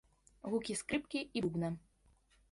Гукі скрыпкі і бубна.